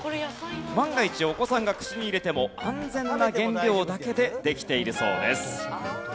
万が一お子さんが口に入れても安全な原料だけでできているそうです。